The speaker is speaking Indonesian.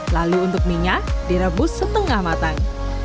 lalu untuk mie nya direbus setengah matang